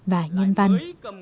và nhân văn